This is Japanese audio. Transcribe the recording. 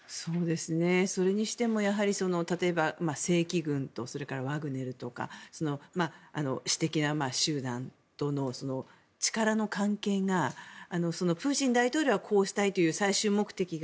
それにしても例えば正規軍とそれからワグネルとか私的な集団との力の関係がプーチン大統領はこうしたいという最終目的が。